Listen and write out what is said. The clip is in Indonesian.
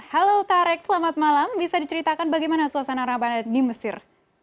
halo tarek selamat malam bisa diceritakan bagaimana suasana ramadan di mesir